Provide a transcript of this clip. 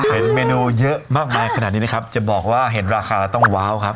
เห็นเมนูเยอะมากมายขนาดนี้นะครับจะบอกว่าเห็นราคาแล้วต้องว้าวครับ